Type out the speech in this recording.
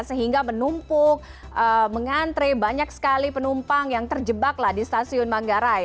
sehingga menumpuk mengantre banyak sekali penumpang yang terjebaklah di stasiun manggarai